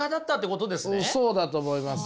そうだと思います。